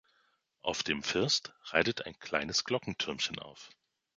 Auf dem First reitet ein kleines Glockentürmchen auf.